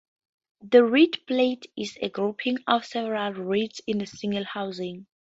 The reed plate is a grouping of several reeds in a single housing.